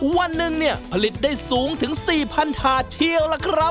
วันหนึ่งเนี่ยผลิตได้สูงถึง๔๐๐ถาดเชียวล่ะครับ